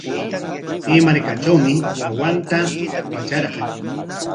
Kay markatrawmi wawanta watrarqan.